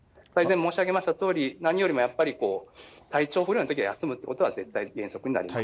申し上げましたように、何よりもやっぱり、体調不良のときは休むということは絶対、原則になります。